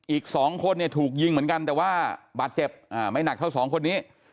อีก๒คนเนี่ยถูกยิงเหมือนกันแต่ว่าบาดเจ็บไม่หนักเท่าสองคนนี้